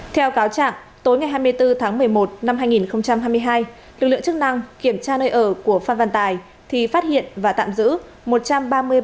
theo cáo trạng tối ngày hai mươi bốn tháng một mươi một năm hai nghìn hai mươi hai lực lượng chức năng kiểm tra nơi ở của phan văn tài thì phát hiện và tạm giữ